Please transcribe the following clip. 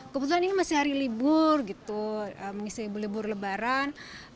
kebetulan ini masih hari libur gitu mengisi libur libur lebaran